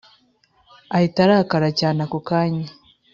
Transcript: ahita arakara cyane ako kanya